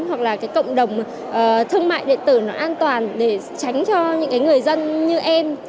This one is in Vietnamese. hoặc là cộng đồng thương mại điện tử an toàn để tránh cho những người dân như em